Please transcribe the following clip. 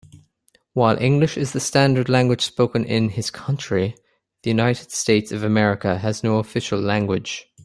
While English is the standard language spoken in his country, the United States of America has no official language.